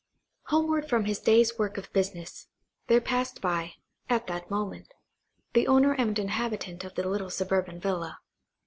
Homeward from his day's work of business, there passed by, at that moment, the owner and inhabitant of the little suburban villa.